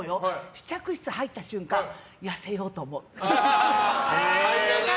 試着室入った瞬間痩せようと思う。